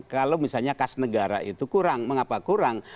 kalau misalnya kas negara itu kurang mengapa kurang